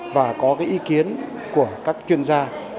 và có cái ý kiến của các chuyên gia